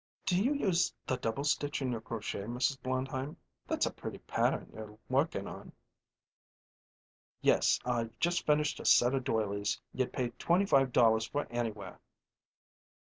"Do you use the double stitch in your crochet, Mrs. Blondheim? That's a pretty pattern you're workin' on." "Yes. I've just finished a set of doilies you'd pay twenty five dollars for anywhere."